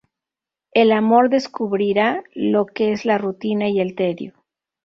El amor descubrirá lo que es la rutina y el tedio.